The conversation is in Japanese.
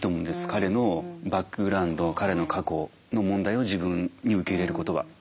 彼のバックグラウンド彼の過去の問題を自分に受け入れることは。